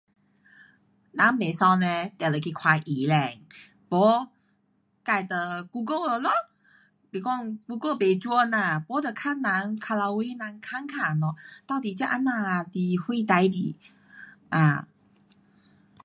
人不爽嘞，就得去看医生。没自就 google 了咯。是讲 google 不准啦，不就问人，靠牢围人问问 um 到底这啊呐是什事情，啊